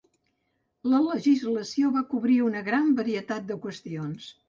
La legislació va cobrir una gran varietat de qüestions.